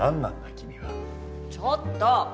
君はちょっと！